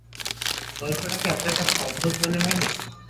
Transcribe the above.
গল্পটা কি আপনার কাছে অদ্ভুত মনে হয় নি?